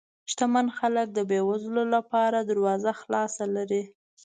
شتمن خلک د بې وزلو لپاره دروازه خلاصه لري.